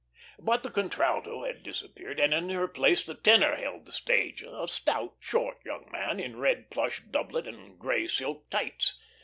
But the contralto had disappeared, and in her place the tenor held the stage a stout, short young man in red plush doublet and grey silk tights.